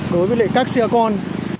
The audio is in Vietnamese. đối với các xe con